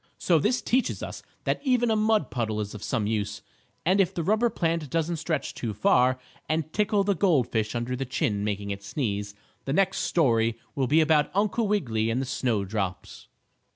So this teaches us that even a mud puddle is of some use, and if the rubber plant doesn't stretch too far, and tickle the gold fish under the chin making it sneeze, the next story will be about Uncle Wiggily and the snow drops.